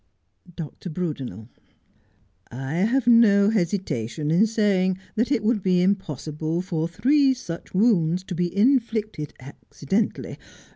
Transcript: Dr. Brudenel : I have no hesitation in saying that it would be impossible for three such wounds to be inflicted acci dentally.